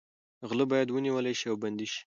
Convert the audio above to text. غله باید ونیول شي او بندي شي.